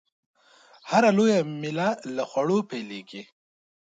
هره لويه میله له خوړو پیلېږي.